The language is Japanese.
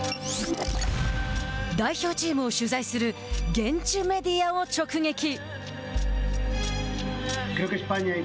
代表チームを取材する現地メディアを直撃。